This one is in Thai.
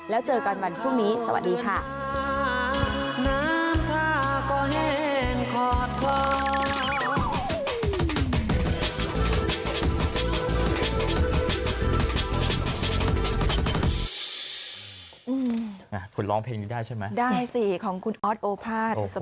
แล้วเจอกันวันพรุ่งนี้สวัสดีค่ะ